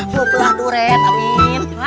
membelah duret amin